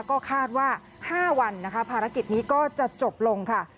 ก็คาดว่า๕วันนะคะภารกิจนี้ก็จะจบลงค่ะ